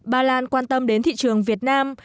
ba lan quan tâm đến thị trường việt nam